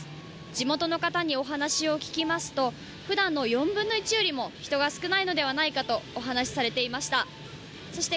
地元の方にお話を聞きますとふだんの４分の１よりも人が少ないのではないかとお話しされていました。